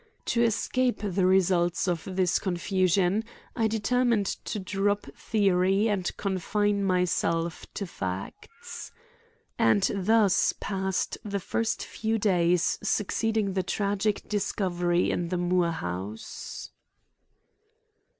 To escape the results of this confusion, I determined to drop theory and confine myself to facts. And thus passed the first few days succeeding the tragic discovery in the Moore house.